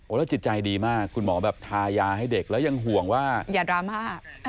แล้วจิตใจดีมากคุณหมอแบบทายาให้เด็กแล้วยังห่วงว่าอย่าดราม่า